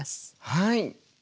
はい！